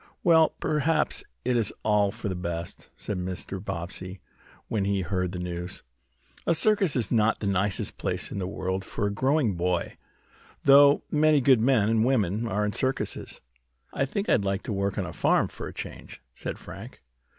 "Well, perhaps it is all for the best," said Mr. Bobbsey, when he heard the news. "A circus is not the nicest place in the world for a growing boy, though many good men and women are in circuses." "I think I'd like to work on a farm for a change," said Frank.